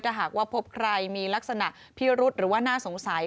ถ้าหากว่าพบใครมีลักษณะพิรุษหรือว่าน่าสงสัย